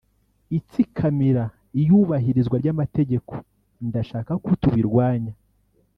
itsikamira iyubahirizwa ry’amategeko; ndashaka ko tubirwanya